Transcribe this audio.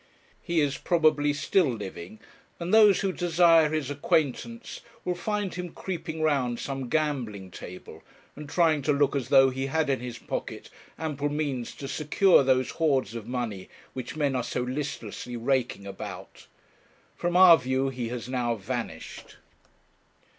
He is probably still living, and those who desire his acquaintance will find him creeping round some gambling table, and trying to look as though he had in his pocket ample means to secure those hoards of money which men are so listlessly raking about. From our view he has now vanished.